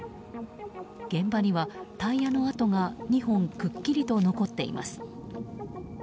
現場にはタイヤの跡が２本くっきりと残っています。